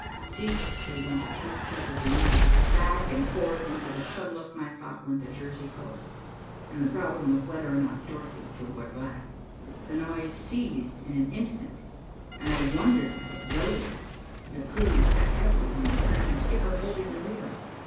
Ceaselessly went the chug, chug of the engine. Back and forth into the shuttle of my thought went the Jersey coast, and the problem of whether or not Dorothy would wear black. The noise ceased in an instant, and I wondered at it dully. The crew sat heavily in the stern, the skipper holding the wheel.